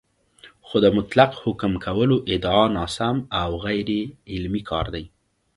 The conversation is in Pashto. خو د مطلق حکم کولو ادعا ناسم او غیرعلمي کار دی